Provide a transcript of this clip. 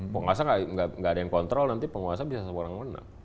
penguasa gak ada yang kontrol nanti penguasa bisa seorang yang menang